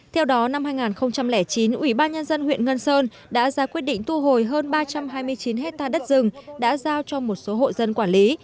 theo đó năm hai nghìn chín ủy ban nhân dân huyện ngân sơn đã ra quyết định thu hồi hơn ba trăm hai mươi chín hectare đất rừng đã giao cho một số hộ dân quản lý